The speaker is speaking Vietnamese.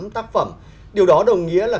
tám tác phẩm điều đó đồng nghĩa là